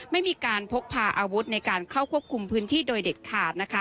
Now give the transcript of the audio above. ไม่มีการพกพาอาวุธในการเข้าควบคุมพื้นที่โดยเด็ดขาดนะคะ